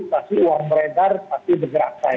pasti uang beredar pasti bergerak saya